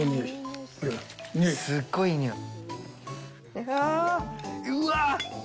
すっごいいい匂い。